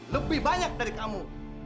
lebih banyak dari kamu